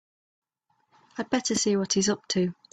I'd better see what he's up to.